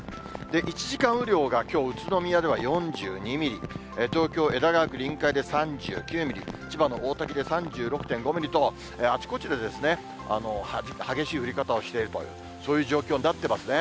１時間雨量がきょう、宇都宮では４２ミリ、東京・江戸川区臨海で３９ミリ、千葉の大多喜で３６．５ミリと、あちこちで激しい降り方をしていると、そういう状況になってますね。